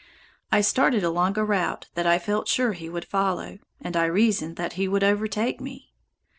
I started along a route that I felt sure he would follow, and I reasoned that he would overtake me.